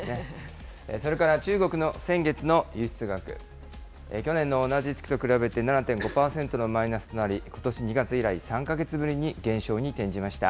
それから中国の先月の輸出額、去年の同じ月と比べて、７．５％のマイナスとなり、ことし２月以来、３か月ぶりに減少に転じました。